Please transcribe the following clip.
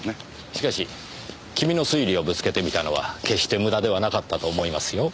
しかし君の推理をぶつけてみたのは決して無駄ではなかったと思いますよ。